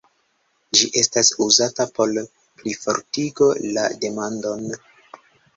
Ĝi estas uzata por plifortigo la demandon.